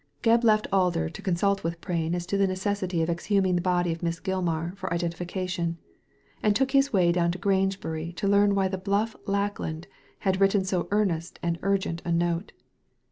Gebb left Alder to consult with Prain as to the necessity of exhuming the body of Miss Gilmar for identification, and took his way down to Grange bury to learn why the bluff Lackland had written so earnest and urgent a note.